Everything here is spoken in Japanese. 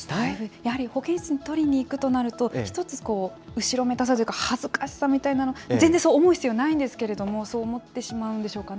やはり保健室に取りに行くとなると、一つ、後ろめたさというか、恥ずかしさみたいなの、全然そう思う必要ないんですけれども、そう思ってしまうんでしょうかね？